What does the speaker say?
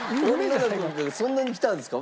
女の子がそんなに来たんですか？